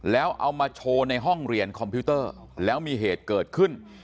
แล้วเอามาโชว์ในห้องเรียนคอมพิวเตอร์แล้วมีเหตุเกิดขึ้น